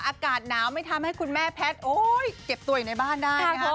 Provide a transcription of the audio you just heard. อากาศหนาวไม่ทำให้คุณแม่แพทย์เจ็บตัวอยู่ในบ้านได้